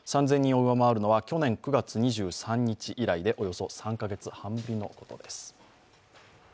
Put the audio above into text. ３０００人を上回るのは去年９月２３日以来でおよそ３カ月半ぶりです。